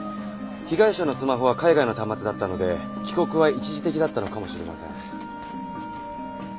被害者のスマホは海外の端末だったので帰国は一時的だったのかもしれません。